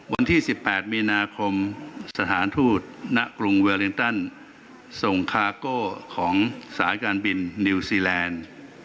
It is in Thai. วันที่๑๘มีนาคมสถานทูตณกรุงเวลินตันส่งคาโก้ของสายการบินนิวซีแลนด์